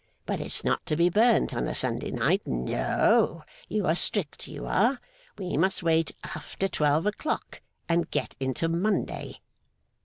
But it's not to be burnt on a Sunday night. No; you are strict, you are; we must wait over twelve o'clock, and get into Monday.